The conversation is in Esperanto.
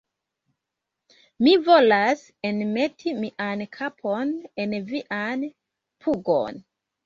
Mi volas enmeti mian kapon en vian pugon!